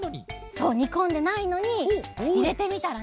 そう！にこんでないのにいれてみたらね